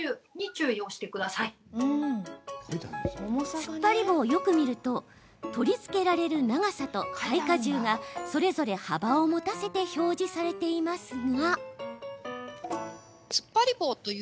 つっぱり棒をよく見ると取り付けられる長さと耐荷重がそれぞれ幅を持たせて表示されていますが。